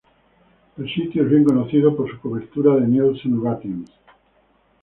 El sitio es bien conocido por su cobertura de Nielsen ratings.